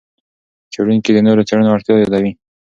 څېړونکي د نورو څېړنو اړتیا یادوي.